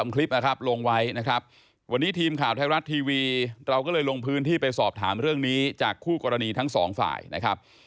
คลิปนะครับลงไว้นะครับวันนี้ทีมข่าวไทยรัฐทีวีเราก็เลยลงพื้นที่ไปสอบถามเรื่องนี้จากคู่กรณีทั้งสองฝ่ายนะครับ